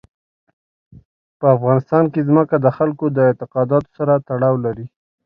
په افغانستان کې ځمکه د خلکو د اعتقاداتو سره تړاو لري.